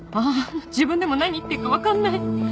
自分でも何言ってるかわかんない